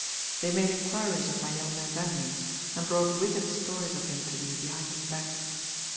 They made inquiries of my young man's enemies, and brought wicked stories of him to me behind his back.